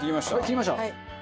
切りました？